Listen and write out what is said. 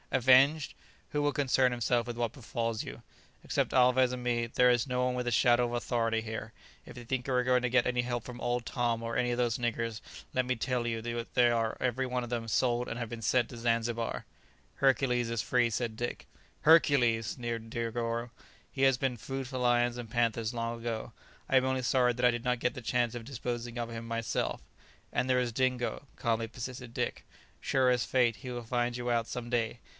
Avenged! who will concern himself with what befalls you? except Alvez and me, there is no one with a shadow of authority here; if you think you are going to get any help from old Tom or any of those niggers, let me tell you that they are every one of them sold and have been sent off to Zanzibar." "Hercules is free," said Dick. "Hercules!" sneered Negoro; "he has been food for lions and panthers long ago, I am only sorry that I did not get the chance of disposing of him myself." "And there is Dingo," calmly persisted Dick; "sure as fate, he will find you out some day."